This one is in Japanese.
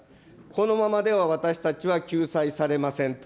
このままでは私たちは救済されません。